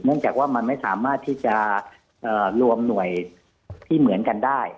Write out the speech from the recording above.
จากว่ามันไม่สามารถที่จะรวมหน่วยที่เหมือนกันได้